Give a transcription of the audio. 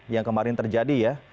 yang kemarin terjadi